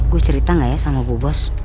gue cerita gak ya sama bu bos